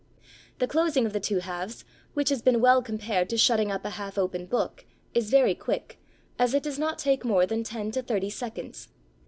The closing of the two halves, which has been well compared to shutting up a half open book, is very quick, as it does not take more than ten to thirty seconds.